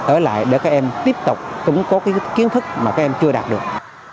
ở lại để các em tiếp tục tủng cố cái kiến thức mà các em chưa đạt được